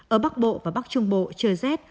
ở bắc bộ và bắc trung bộ trời rét